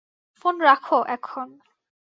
Phone রাখো, এখন।